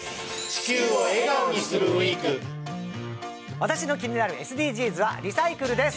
私の気になるＳＤＧｓはリサイクルです。